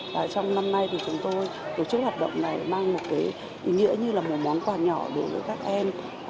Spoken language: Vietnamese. trong năm nay thì chúng tôi tổ chức hạt động này mang một cái ý nghĩa như là một món quà nhỏ đối với các em học sinh